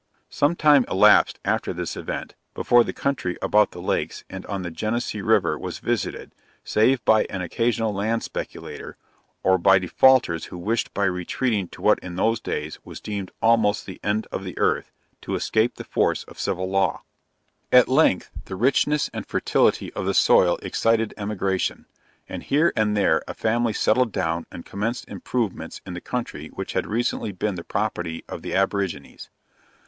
Sometime elapsed after this event, before the country about the lakes and on the Genesee river was visited, save by an occasional land speculator, or by defaulters who wished by retreating to what in those days was deemed almost the end of the earth, to escape the force of civil law. At length, the richness and fertility of the soil excited emigration, and here and there a family settled down and commenced improvements in the country which had recently been the property of the aborigines.